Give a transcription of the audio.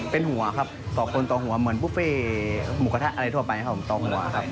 เป็นหัวครับต่อคนต่อหัวเหมือนบุฟเฟ่หมูกระทะอะไรทั่วไปครับผมต่อหัวครับ